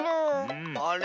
あれ？